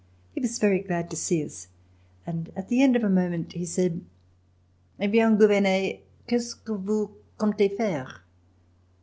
He was very glad to see us, and at the end of a moment he said: "Eh bien! Gouvernet, qu'est ce que vous comptez faire?"